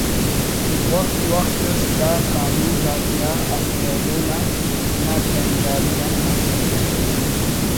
وخت وخت اس دا کانود آتیا اسہ ایلو نا ناٹہنداری ہم مسکہ